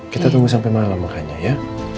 kita tunggu sampai malam makanya ya